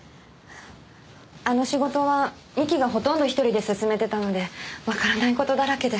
あの仕事は三木がほとんど１人で進めていたのでわからないことだらけで。